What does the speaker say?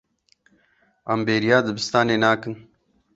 Em bêriya dibistanê nakin.